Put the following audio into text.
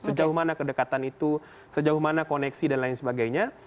sejauh mana kedekatan itu sejauh mana koneksi dan lain sebagainya